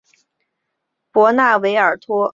博纳维尔阿普托。